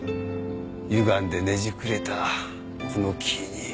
歪んでねじくれたこの木に。